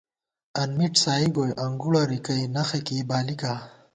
انمِٹ سائی گوئی انگُڑہ رِکَئ نخہ کېئ بالِکا